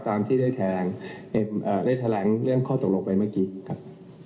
ตามที่ได้แถลงได้แถลงเรื่องข้อตกลงไปเมื่อกี้ครับ